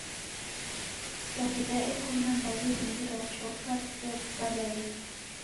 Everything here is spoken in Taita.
Daw'ida eko na mbari nyingi ra choka risew'ukaa naighu!